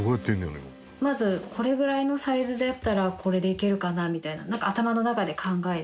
まずこれぐらいのサイズだったらこれでいけるかなみたいな。